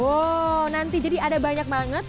wow nanti jadi ada banyak banget